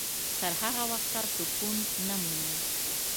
تر هغه وخته سکون نه مومي.